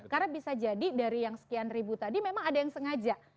karena bisa jadi dari yang sekian ribu tadi memang ada yang sengaja